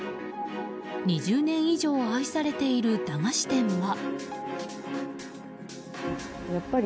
２０年以上愛されている駄菓子店は。